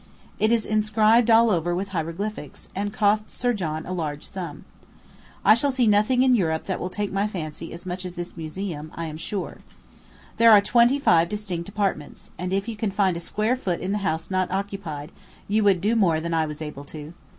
It is inscribed all over with hieroglyphics, and cost Sir John a large sum. I shall see nothing in all Europe that will take my fancy as much as this museum, I am sure. There are twenty five distinct apartments; and if you can find a square foot in the house not occupied, you would do more than I was able to.